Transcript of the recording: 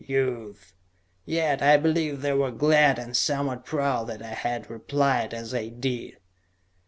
Youth!" Yet I believe they were glad and somewhat proud that I had replied as I did.